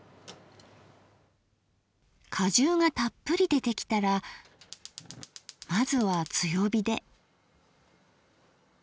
果汁がたっぷり出てきたらまずは強火で。